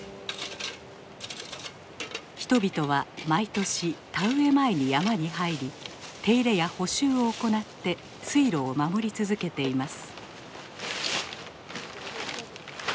人々は毎年田植え前に山に入り手入れや補修を行って水路を守り続けています。